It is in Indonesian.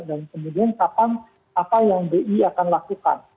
dan kemudian kapan apa yang bi akan lakukan